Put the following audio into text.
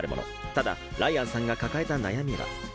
ただライアンさんが抱えた悩みは。